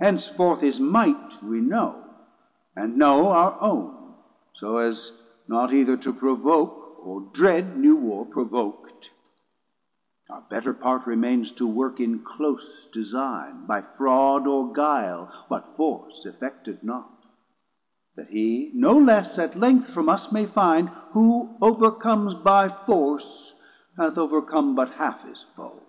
Henceforth his might we know, and know our own So as not either to provoke, or dread New warr, provok't; our better part remains To work in close design, by fraud or guile What force effected not: that he no less At length from us may find, who overcomes By force, hath overcome but half his foe.